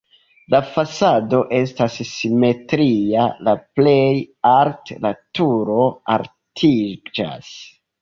La fasado estas simetria, la plej alte la turo altiĝas.